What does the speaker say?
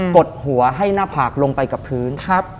ดหัวให้หน้าผากลงไปกับพื้น